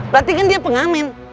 berarti kan dia pengamen